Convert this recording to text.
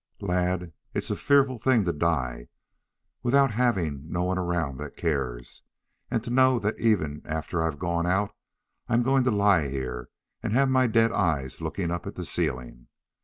"Lad, it's a fearful thing to die without having no one around that cares, and to know that even after I've gone out I'm going to lie here and have my dead eyes looking up at the ceiling.